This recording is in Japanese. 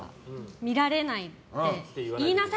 見られないって言いなさ